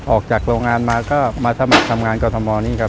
ออกจากโรงงานมามาสมัครงานการ์ธรรมมนี้